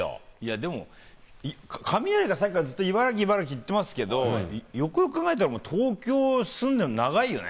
でも、カミナリがさっきからずっと茨城、茨城言ってますけど、よくよく考えたらもう東京住んで長いよね？